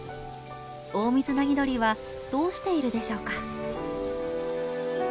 オオミズナギドリはどうしているでしょうか？